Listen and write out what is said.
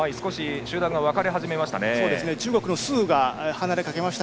集団が分かれ始めました。